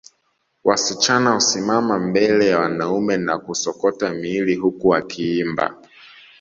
Wasichana husimama mbele ya wanaume na kusokota miili huku wakiimba